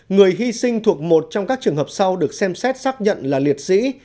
người hy sinh thuộc một trong các trường hợp sau được xem xét xác nhận là liệt sĩ